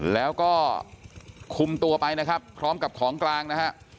แล้วก็คุมตัวไปนะครับพร้อมกับของกลางนะฮะ